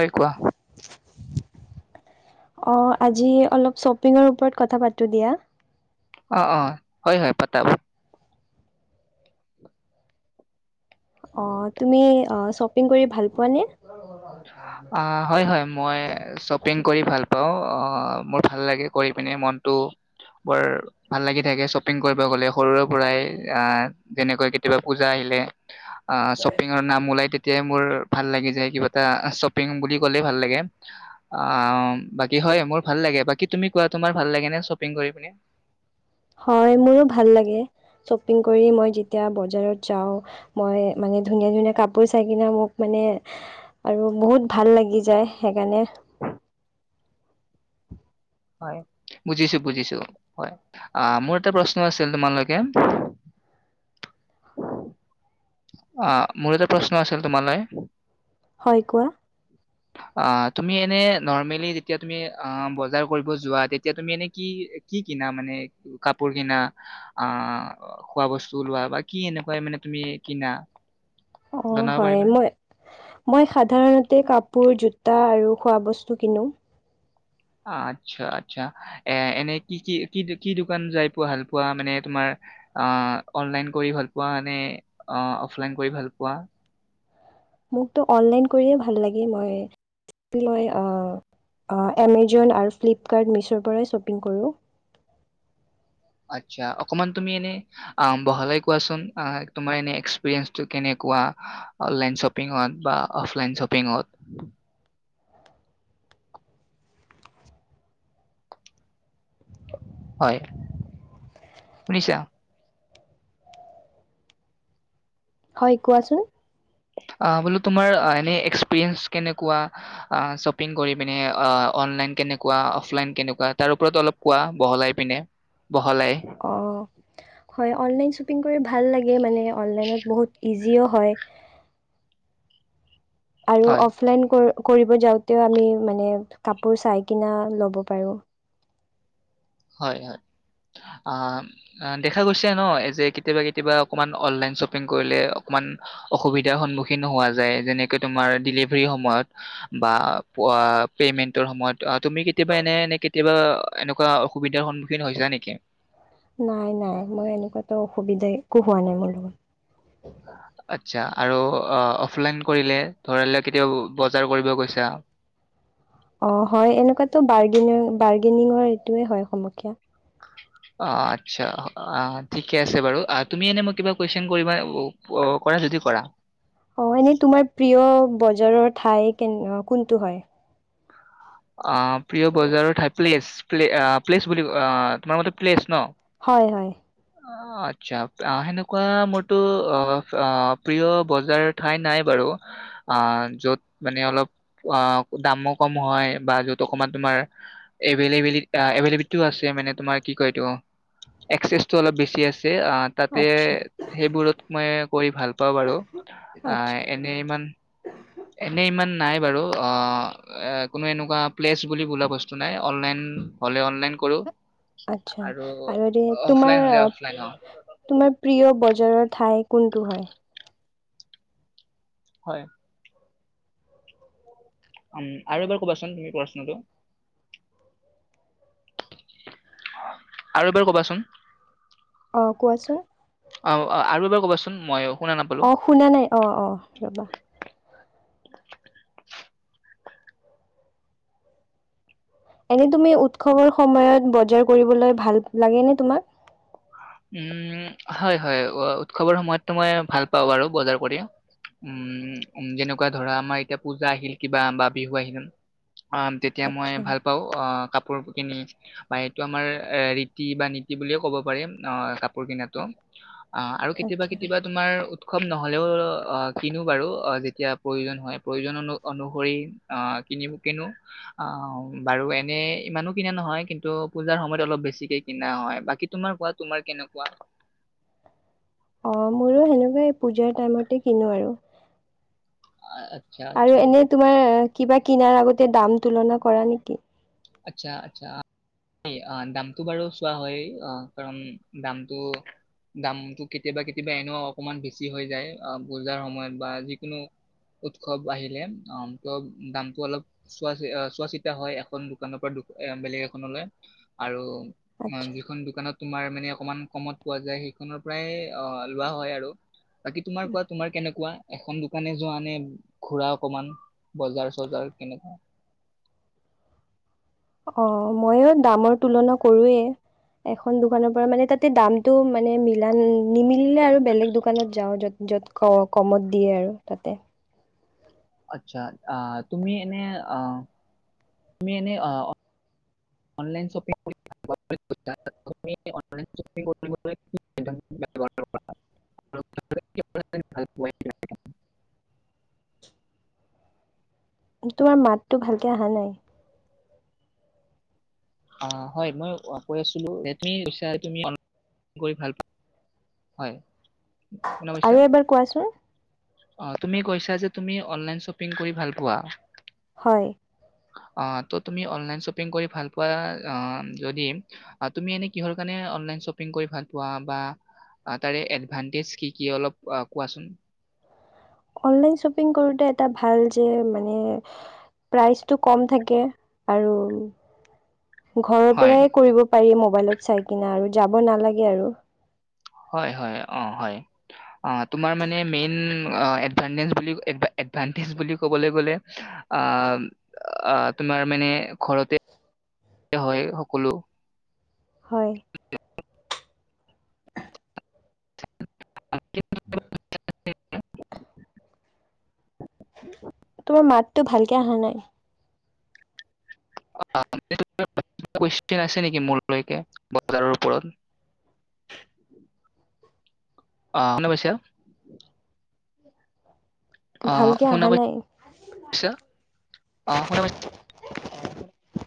অই কোৱা। অ আজি অলপ শ্বপিং ৰ ওপৰত কথা পাতো দিয়া। অ অ হয় হয় পাতা অ তুমি অ শ্বপিং কৰি ভাল পোৱা নে? অ হয় হয় মই শ্বপিং কৰি ভাল অহ্ অ মোৰ ভাল লাগে কৰি পিনে মনটো বৰ ভাল লাগি থাকে, শ্বপিং কৰিব গলে সৰুৰে পৰাই আহ যেনেকৈ কেতিয়াবা পূজা আহিলে। অ শ্বপিং ৰ নাম উলাই তে তিয়াই মোৰ ভাল লাগি যায় কিবা এটা চপ পিং বুলি কলে ভাল লাগে, আহহ বাকী হয় মোৰ ভাল লাগে। বাকী তুমি কোৱা তোমাৰ ভাল লাগে নে শ্বপিং কৰি কিনি? হয় মোৰ ভাল লাগে শ্বপিং কৰি মই যেতিয়া বজাৰত যাওঁ উহ্ মই মানে ধুনীয়া ধুনীয়া কাপোৰ চাই কিনে মোক মানে উহ্হ আৰু বহুত ভাল লাগি যায় সেইকাৰণে হয় বুজিছোঁ বুজিছোঁ হয় আহ মোৰ এটা প্ৰশ্ন আছিল তোমালোকে অ মোৰ এটা প্ৰশ্ন আছিল তোমালৈ হয় কোৱা অ তুমি এনে নৰ্মেলি যেতিয়া তুমি অ বজাৰ কৰিব যোৱা তেতিয়া তুমি এনে কি কি কিনা মানে কাপোৰ কিনা আহ খোৱা বস্তু লোৱা বা কি এনেকুৱাই মানে তুমি কিনা অ অ জনাব হয় পাৰিবানে? ম‌ই মই সাধাৰণতে কাপোৰ জোতা আৰু খোৱাবস্তু কিনো। আচ্ছা আচ্ছা এ এনে কি কি কি কি দোকান যাই পোৱা ভাল পোৱা মানে তোমাৰ অ অনলাইন কৰি ভাল পোৱা নে অফলাইন কৰি ভাল পোৱা? মোক‌ অনলাইন কৰিয়েই ভাল লাগে মই মই আমাজন আৰু ফ্লিপকাৰ্ট মীশোৰ পৰাই শ্বপিং কৰোঁ। আচ্ছা অকণমান তুমি এনে উম বহালাই কোৱাচোন অ তোমাৰ এনে এক্সপিৰিয়েঞ্চটো কেনেকুৱা, অনলাইন শ্বপিংত বা অফলাইন শ্বপিংত। হয়, শুনিছা? হয় কোৱাচোন। অ বোলো তোমাৰ এ-এক্সপিৰিয়েঞ্চ কেনেকুৱা অ শ্বপিং কৰি কিনে অ অনলাইন কেনেকুৱা অফলাইন কেনেকুৱা তাৰ ওপৰত অলপ কোৱা বহলাই পিনে বহলাই অ হয় অনলাইন শ্বপিং কৰি ভা ভাল লাগে মানে অনলাইনত বহুত ইজ জিঅ হয় আৰু হয় অফলাইন কৰ কৰিব যাওঁতেও আমি মানে কাপোৰ চাই কিনা লব পাৰোঁ। হয় হয়। আ আ দেখা গৈছে ন যে কেতিয়াবা কেতিয়াবা অকমান অনলাইন শ্বপিং কৰিলে অকমান অসুবিধাৰ সন্মুখীনো হোৱা যায় যেনেকে তোমাৰ ডেলিভাৰীৰ সময়ত বা পা পেমেন্টৰ সময়ত তুমি কেতিয়াবা এনে- এনে কেতিয়াবা এনেকুৱা অসু সুবিধা সন্মুখীন হৈছা নেকি? নাই-নাই মই এনেকুৱাতো অসুবিধাই একো হোৱা নাই মোৰ লগত। আচ্ছা। আৰু অ‌ অফলাইন কৰিলে ধৰিলে কেতিয়াবা বজাৰ কৰিব গৈছা অ হয় এনেকুৱাতো বাৰ্গেনিঙ বাৰ্গেনিঙৰ এইটোৱে হয় সমস্যা। অ আচ্ছা আ ঠিকে আছে বাৰু। অ তুমি এনে মোক কিবা কুৱেশন কৰিবা ও অ কৰা যদি কৰা। অ এনেই তোমাৰ প্ৰিয় বজাৰৰ ঠাই কেন কোনটো হয়? অ [unintelligible] অ প্ৰিয় বজাৰৰ ঠাই, প্লেছ প্লে অ প্লেছ বুলি অ তোমাৰ মতে প্লেচ ন? হয় হয়। অ' আচ্ছা, আ সেনেকুৱা মোৰতো অ প্ৰিয় বজাৰ ঠাই নাই বাৰু আঁ য'ত মানে অলপ আঁ দামো কম হয়। বা য'ত অকমান তোমাৰ এভেলিবিড অ এভেলিবিলিডটো আছে মানে তোমাৰ কি কয় এইটো এক্সচটো অলপ বেছি আছে। তে তাতে আচ্ছা সেইবোৰত মই কৰি ভাল পাওঁ বাৰু, অ আচ্ছা এনে ইমান এনে ইমান নাই বাৰু অ এ কোনো এনেকুৱা প্লেচ বুলি বোলা বস্তু নাই। অনলাইন হ'লে অনলাইন কৰো আচ্ছা আৰু যে তোমাৰ, অফলাইন হ'লে অফলাইন অ', তোমাৰ প্ৰিয় বজ [unintelligible] ঠাই কোনটো হয়? হয় উম আৰু এবাৰ কবাচোন তুমি প্ৰশ্নটো। আৰু এবাৰ কবাচোন। অ, কোৱাচোন? অ অ আৰু এবাৰ কবাচোন মইয়ো অ শুনা নাই অ অ ৰ'বা। [inaudible] এনে তুমি উৎসৱৰ সময়ত বজাৰ কৰিবলৈ ভাল লাগে নে তোমাৰ? উম, হয় হয় অ উৎসৱৰ সময়তটো মই ভাল পাওঁ বাৰু বজাৰ কৰি। উম, উম যেনেকুৱা ধৰা, আমাৰ এতিয়া পূজা আহিল কিবা বা বিহু আহিল। অ, তেতিয়া মই আচ্ছা ভাল পাওঁ অ কাপোৰ কিনি বা এইটো আমাৰ, এ ৰীতি বা নীতি বুলিয়ে কব পাৰি। ন কাপোৰ কিনাটো অ আৰু কেতিয়াবা আচ্ছা কেতিয়াবা তোমাৰ উৎসৱ নহ'লেও অ কিনো বাৰু অ যেতিয়া প্ৰয়োজন হয়। প্ৰয়োজন অনু অনুসৰি অহ কিনি কিনো অ, বাৰু এনে ইমানো কিনা নহয় কিন্তু পূজাৰ সময়ত অলপ বেছিকে কিনা হয়। বাকী তোমাৰ কোৱা? তোমাৰ কেনেকুৱা? অ মোৰো সেনেকুৱাই, পূজাৰ টাইমতে কিনো আৰু [unintelligible] আৰু এনেই তোমাৰ কিবা কিনাৰ আগতে দাম তুলনা কৰা নেকি? আচ্ছা আচ্ছা, [unintelligible] দামতটো বাৰু চোৱা হয়েই কাৰণ দামটো, দামতটো কেতিয়াবা কেতিয়াবা এনেও অকমান বেছি হৈ যায় পুজাৰ সময়ত বা যিকোনো উৎসৱ আহিলে অ ত দামতটো অলপ চোৱা চোৱা চিতা হয় এখন দোকানৰ পৰা দো অ বেলেগ এখনলৈ আৰু ম আচ্ছা যিখন দোকানত তোমাৰ মানে অকমান কমত পোৱা যায়। সেইখনৰ পৰাই অ', লোৱা হয় আৰু। বাকী তোমাৰ কোৱা, তোমাৰ কেনেকুৱা? এখন দোকানে যোৱা নে ঘোৰা অকমান, বজাৰ-চজাৰ, কেনেকুৱা? অ', ময়ো দামৰ তুলনা কৰোৱেই। এখন দোকানৰ পৰা, মানে তাতে দামতটো মানে, মিলাল, নিমিলিলে আৰু বেলেগ দোকানত যাওঁ, য'ত-য'ত ক-কমত দিয়ে আৰু, তাতে। আচ্ছা, আহ তুমি এনে, আহ, তুমি এনে আ, অনলাইন শ্বপিং। [unintelligible] তোমাৰ মাতটো ভালকে অহা নাই অঁ হয় মই কৈ আছিলো, তুমি অনলাইন কৰি ভাল পায় হয়। শুনা পাইছা আৰু এবাৰ কোৱাচোন। অ', তুমি কৈছা যে, তুমি অনলাইন শ্বপিং কৰি ভাল পোৱা। হয়। আ, ত' তুমি অনলাইন শ্বপিং কৰি ভাল আ, আম, যদি, আ, তুমি এনে কিহৰ কাৰণে অনলাইন চপিং কৰি ভাল পোৱা বা তাৰে এদভানটেজ কি, কি অলপ কোৱাচোন। অনলাইন শ্বপিং কৰোতে এটা ভাল যে মানে প্ৰাইচটো কম থাকে, আৰু ঘৰৰ হয় পৰাই কৰিব পাৰি ম ৱালেট চাই কিনে আৰু, যাব নালাগে আৰু। হয় হয় অঁ হয় আ তোমাৰ মানে মেইন এতভাটেচ এট ভান টেনচ বুলি কবলৈ গ'লে আ আ তোমাৰ মানে ঘৰতে হয় সকলো হয় [inaudible] [inaudible] তোমাৰ মাতটো ভালকে অহা নাই [unintelligible] কোৱেইছন আছে নেকি, মোৰলৈকে, বজাৰৰ ওপৰত? অ শুনা পাইছা? অ', ভালকে শুনা অহা নাই পাই-ছা? অ', শুনা পা [inaudible]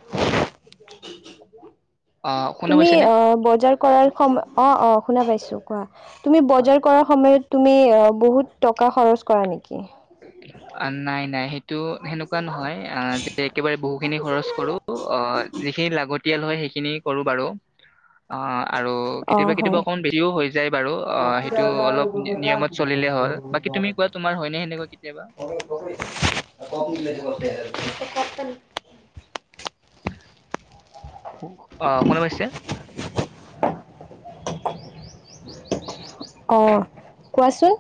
আহ শুনা তুমি পাইছেনে অ' বজাৰ কৰাৰ সম অ অ শুনা পাইছোঁ কোৱা তুমি হয় বজাৰ কৰাৰ সময়ত তুমি বহুত টকা খৰচ কৰা নি? আ, নাই, নাই, সেই টো, সেনেকুৱা নহয়। আহ, যে একেবাৰে বহুখিনি খৰচ কৰোঁ। অ, যিখিনি লাগ তেতিয়াল হয় সেইখিনি কৰোঁ বাৰু। অ'। আৰু অ কেতিয়াবা কেতিয়াবা হয় অকমান বেছিও হৈ যায় বাৰু। অহ, সেইটো অলপ নি-নিয়মত চলিলে হ'ল। বাকী তুমি কোৱা তোমাৰ হয়নে সেনেকুৱা? কেতিয়াবা [inaudible] [unintelligible] [inaudible] [unintelligible] অহ শুনা পাইছে? অ', কোৱাচোন।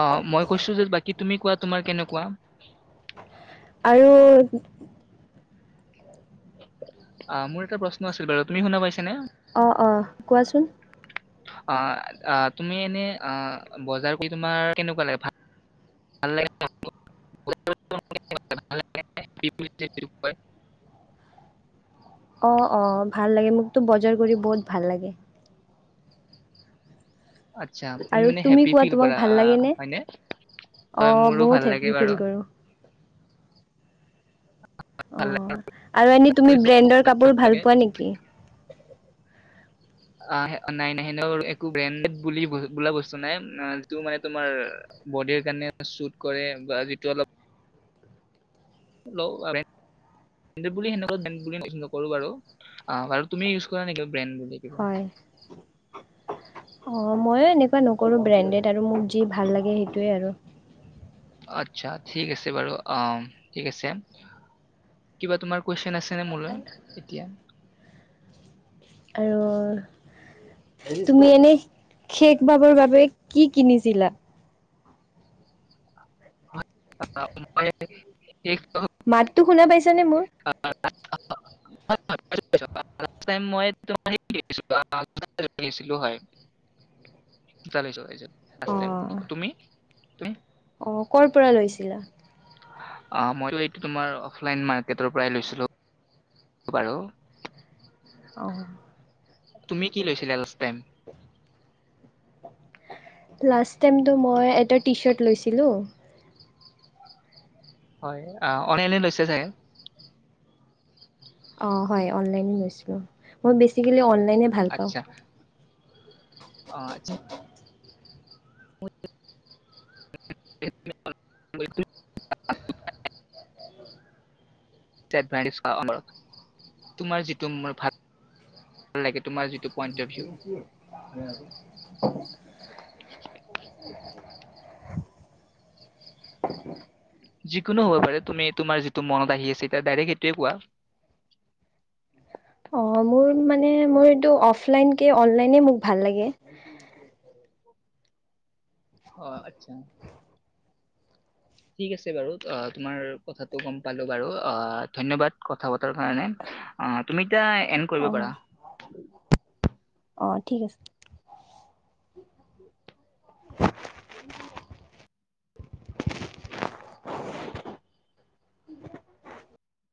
অহ, মই কৈছো যে বাই কি তুমি কোৱা তোমাৰ কেনেকুৱা? আৰু আ, মোৰ এটা প্ৰশ্ন আছিল, বাৰু। তুমি শুনা পাইছা নে? অঁ অঁ কোৱাছোন আ, আ, তুমি এনেই আহ, বজাৰ কৰি তোমাৰ কেনেকুৱা লাগে? ভা [unintelligible] অ অ ভাল লাগে মোকতো বজাৰ কৰি বহুত ভাল লাগে। আচ্ছা, তুমি আৰু মানে হেপ্পি কোৱা ফিল তোমাক কৰা, ভাল অহ লাগেনে হয়নে? অ' মোৰো বহুত ভাল লাগে হেপ্পী বাৰু। ফিল কৰোঁ অ ভাল লাগে। আৰু এনেই তুমি ব্ৰেণ্ডৰ কাপোৰ ভাল লাগে। পোৱা নেকি? আহ, নাই, নাই। [unintelligible] একো ব্ৰেণ্ডড বুলি বোলা বস্তু নাই। অহ, যিটো মানে তোমাৰ অহ, বডিৰ কাৰণে চুট কৰে বা যিটো অলপ [unintelligible] বুলি সেনেকুৱা [unintelligible] নকৰো বাৰু, অ' বাৰু তুমি ইউজ কৰা নেকি ব্ৰেণ্ড বুলি? [unintelligible] হয়। অ', ময়ো এনেকুৱা নকৰোঁ। ব্ৰেণ্ডেড আৰু মোক যি ভাল লাগে, সেইটোৱেই আৰু। আচছা, ঠিক আছে বাৰু। অম, ঠিক আছে। কিবা তোমাৰ কুৱেশ্যন আছে [unintelligible] মোলৈ এতিয়া? আৰু তুমি এনে শেষ বাবৰ বাবে কি কিনিছিলা? অ মই শেষ লাষ্ট মাততো শুনা পাইছ যেনে মোৰ [unintelligible] লাষ্ট টাইম মই [unintelligible] হয় লাষ্ট টাইম। আহ। তুমি? তুমি? আহ, ক'ৰ পৰা লৈছিলা? অ', মইতো এইটো তোমাৰ অফলাইন মা গেটৰ পৰাই লৈছিলোঁ। বাৰু। অ'হ। তুমি কি লৈছিলা লাষ্ট টাইম? লা্ষ্ট টাইমটো মই এটা টি চাৰ্ট লৈছিলোঁ। হয়, অহ, অনেলে লৈছে চাগে? অ' হয়। অনলাইনে লৈছিলোঁ। মই বেচিকেলি অন [unintelligible] ভাল পাওঁ। আচ্ছা, অ', [unintelligible] [unintelligible] [unintelligible] তোমাৰ যিটো মো ভা [unintelligible] লাগে তোমাৰ যিটো পইণ্ট অফ ভউ যিকোনো হব পাৰে তুমি তোমাৰ যিটো মনত আহি আছে এতিয়া ডাইৰেক্ট সেইটোৱেই কোৱা। এটো অফলাইনকে অনলাইনে মোৰ ভাল লাগে। অ আচ্ছ, ঠিক আছে বাৰু। আহ, তোমাৰ কথাটো গম পালো বাৰু। আহ ধন্যবাদ কথা পতাৰ কাৰণে, আহ তুমি এতিয়া এন্ড কৰিব অ', পাৰা। অ', ঠিক আছে। [inaudible]